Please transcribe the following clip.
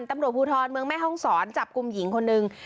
ตำรวจภูทรเมืองแม่ห้องศรจับกลุ่มหญิงคนนึง